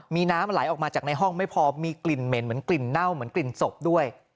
มีน้ำไหลออกมาจากในห้องไม่พอมีกลิ่นเหม็นเหมือนกลิ่นเน่าเหมือนกลิ่นศพด้วย